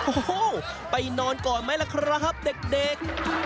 โอ้โหไปนอนก่อนไหมล่ะครับเด็ก